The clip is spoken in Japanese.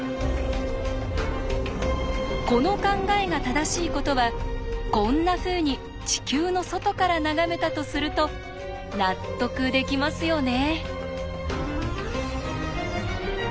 この考えが正しいことはこんなふうに地球の外から眺めたとすると納得できますよね。